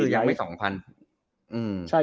ยังไม่๒๐๐๐